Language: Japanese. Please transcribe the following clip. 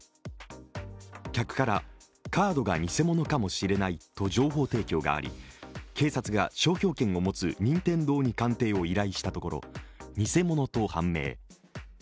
客から、カードが偽物かもしれないと情報提供があり警察が商標権を持つ任天堂に鑑定を依頼したところ、偽物と判明。